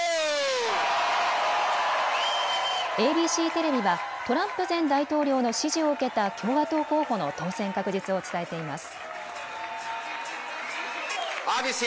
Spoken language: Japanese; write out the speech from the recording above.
ＡＢＣテレビはトランプ前大統領の支持を受けた共和党候補の当選確実を伝えています。